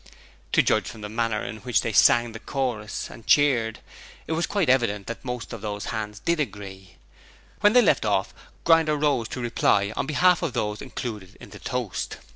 To judge from the manner in which they sang the chorus and cheered, it was quite evident that most of the hands did agree. When they left off, Grinder rose to reply on behalf of those included in the toast.